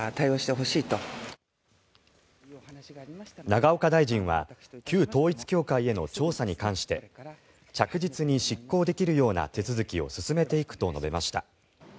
永岡大臣は旧統一教会への調査に関して着実に執行できるような手続きを進めていくと述べました。